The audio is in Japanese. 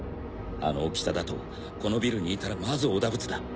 あの大きさだとこのビルにいたらまずおだぶつだ。